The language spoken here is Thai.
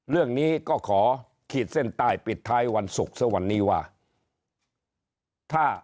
เรื่องนี้ก็ขอขีดเส้นใต้ปิดท้ายวันศุกร์ซะวันนี้ว่าถ้า